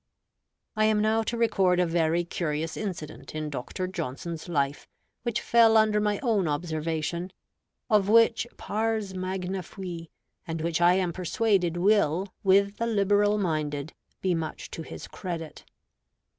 I am now to record a very curious incident in Dr. Johnson's life which fell under my own observation; of which pars magna fui, and which I am persuaded will, with the liberal minded, be much to his credit.